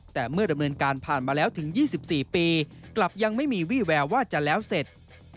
แต่เมื่อดำเนินการผ่านมาแล้วถึง๒๔ปีกลับยังไม่มีวี่แววว่าจะแล้วเสร็จ